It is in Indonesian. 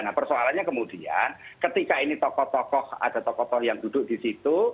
nah persoalannya kemudian ketika ini tokoh tokoh ada tokoh tokoh yang duduk di situ